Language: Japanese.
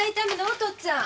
お父っつぁん。